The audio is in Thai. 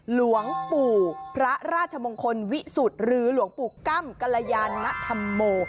หลวงปู่พระราชมงคลวิสุธรหรือหลวงปู่กั้มกะลายานทัมโม